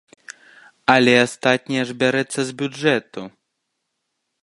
Але астатняе ж бярэцца з бюджэту!